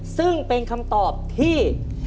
ซึ่งเป็นคำตอบที่